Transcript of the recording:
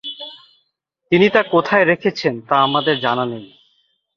তিনি তা কোথায় রেখেছেন তা আমাদের জানা নেই।